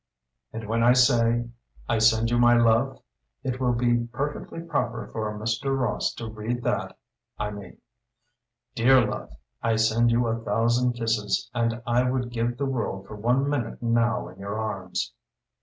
'" "And when I say, 'I send you my love' it will be perfectly proper for Mr. Ross to read that, I mean 'Dear love I send you a thousand kisses, and I would give the world for one minute now in your arms.'"